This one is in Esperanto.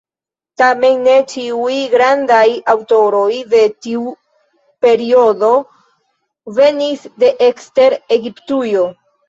Tamen ne ĉiuj grandaj aŭtoroj de tiu periodo venis de ekster Egiptujo.